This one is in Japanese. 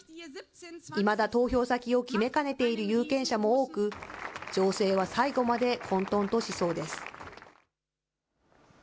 いまだ投票先を決めかねている有権者も多く、情勢は最後まで混とんとしそうです。